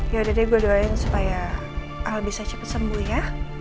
yaudah deh gua doain supaya al bisa cepet sembuh ya